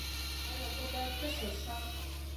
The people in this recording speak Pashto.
ایا زه باید کشر شم؟